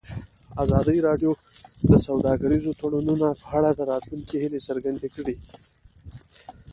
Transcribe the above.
ازادي راډیو د سوداګریز تړونونه په اړه د راتلونکي هیلې څرګندې کړې.